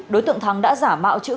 đối tượng thắng đã giả mạo chữ